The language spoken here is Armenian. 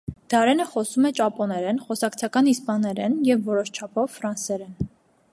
Դարենը խոսում է ճապոներեն, խոսակցական իսպաներեն և որոշ չափով՝ ֆրանսերեն։